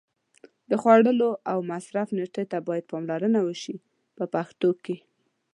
د خوړلو او مصرف نېټې ته باید پاملرنه وشي په پښتو کې.